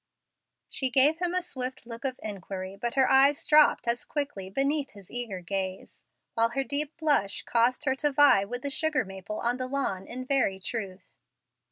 She gave him a swift look of inquiry, but her eyes dropped as quickly beneath his eager gaze, while her deep blush caused her to vie with the sugar maple on the lawn in very truth.